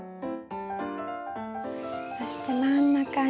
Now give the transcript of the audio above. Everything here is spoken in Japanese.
そして真ん中に。